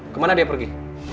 kemana dia pergi